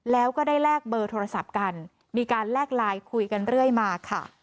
แล้วก็ได้แลกเบอร์โทรศัพท์กันมีการแลกไลน์คุยกันเรื่อยมาค่ะ